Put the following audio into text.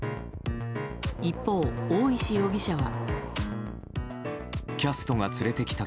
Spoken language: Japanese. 一方、大石容疑者は。